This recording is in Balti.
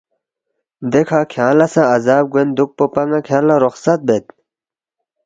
دیکھہ کھیانگ لہ سہ عذاب گوین دُوکپوپا ن٘ا کھیانگ لہ رُخصت بید